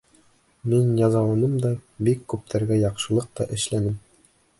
Мин язаланым да, бик күптәргә яҡшылыҡ та эшләнем.